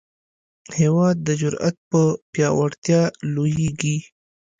هېواد د جرئت په پیاوړتیا لویېږي.